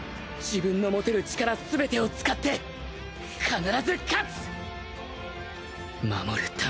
自分の持てる力全てを使って必ず勝つ！